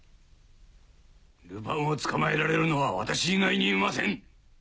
ルパンを捕まえられるのは私以外にいません。